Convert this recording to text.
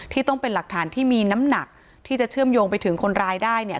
ต้องเป็นหลักฐานที่มีน้ำหนักที่จะเชื่อมโยงไปถึงคนร้ายได้เนี่ย